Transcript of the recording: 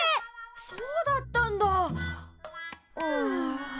そうだったんだ！はあ。